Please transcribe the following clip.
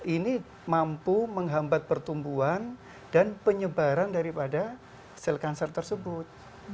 ini mampu menghambat pertumbuhan dan penyebaran daripada sel kanser tersebut